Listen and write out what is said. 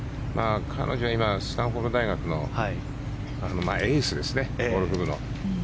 彼女は今スタンフォード大学のエースですね、ゴルフ部の。